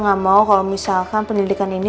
nggak mau kalau misalkan pendidikan ini